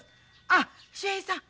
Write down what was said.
あ秀平さん